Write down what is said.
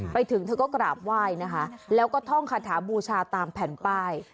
ไปถึงเธอก็กราบไหว้นะคะแล้วก็ท่องคาถาบูชาตามแผ่นป้าย